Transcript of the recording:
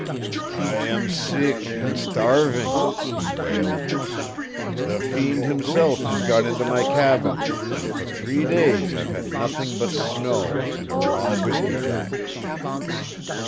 "I am sick and starving!" he wailed. "The fiend himself has got into my cabin, and for three days I've had nothing but snow and a raw whisky jack!"